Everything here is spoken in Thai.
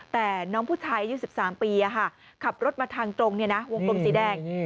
แต่น้องผู้ชายอายุ๑๓ปีขับรถมาทางตรงวงกลมสีแดง